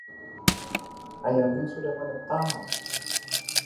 ayamnya sudah menetas